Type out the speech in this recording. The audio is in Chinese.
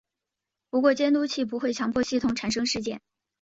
不过监督器不会强迫系统产生事件。